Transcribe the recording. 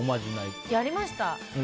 やりました。